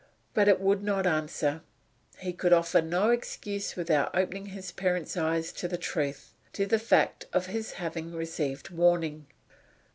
But it would not answer. He could offer no excuse without opening his parent's eyes to the truth to the fact of his having received warning.